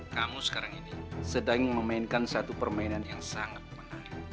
kamu sekarang ini sedang memainkan satu permainan yang sangat menarik